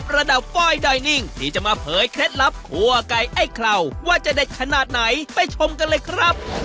รัดาฟ้อยได้นิ่งที่จะมาเผยเคล็ดลับคั่วกายไอ้คราวว่าจะได้ขนาดไหนไปชมกันเลยครับ